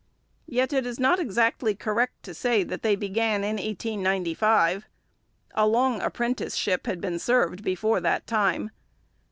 Yet it is not exactly correct to say that they began in 1895. A long apprenticeship had been served before that time.